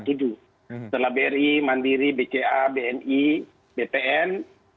setelah bri mandiri bca bni bpn